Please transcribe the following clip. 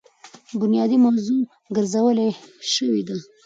بنيادي موضوع ګرځولے شوې ده.